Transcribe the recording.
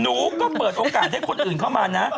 หนูก็เปิดโอกาสให้คนอื่นเข้ามานะ